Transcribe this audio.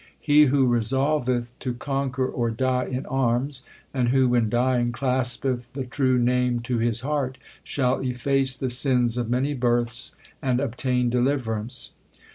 He who resolveth to conquer or die in arms, and who, when dying, claspeth the True Name to his heart, shall efface the sins of many births and obtain deliverance.